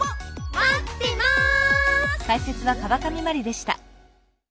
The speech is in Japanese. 待ってます！